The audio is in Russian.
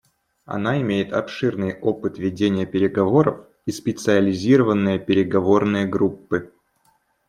Она имеет обширный опыт ведения переговоров и специализированные переговорные группы.